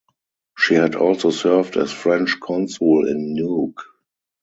She had also served as French consul in Nuuk.